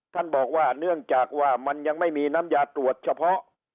ท่านบอกว่าเนื่องจากว่ามันยังไม่มีน้ำยาตรวจเฉพาะ